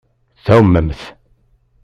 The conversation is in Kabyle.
Tɛumemt.